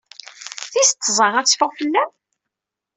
Tis tẓat ad teffeɣ fell-am?